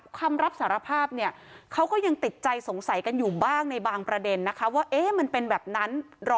คำรับสารภาพเนี่ยเขาก็ยังติดใจสงสัยกันอยู่บ้างในบางประเด็นนะคะว่ามันเป็นแบบนั้น